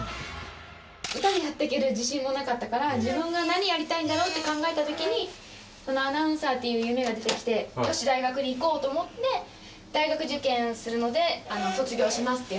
歌でやっていける自信もなかったから自分が何やりたいんだろう？って考えた時にこのアナウンサーっていう夢が出てきてよし大学に行こうと思って大学受験するので卒業しますっていう事で。